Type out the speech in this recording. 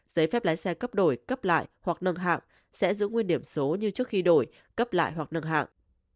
giấy phép lái xe cấp đổi cấp lại hoặc nâng hạng sẽ giữ nguyên điểm số như trước khi đổi cấp lại hoặc nâng hạng